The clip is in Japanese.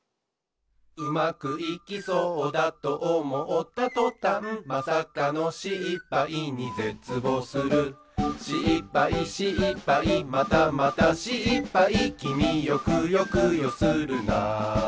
「うまくいきそうだとおもったとたん」「まさかのしっぱいにぜつぼうする」「しっぱいしっぱいまたまたしっぱい」「きみよくよくよするな」